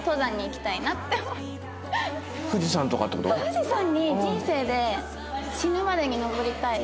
富士山に人生で死ぬまでに登りたい。